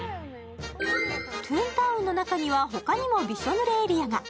トゥーンタウンの中にはほかにもびしょ濡れエリアが。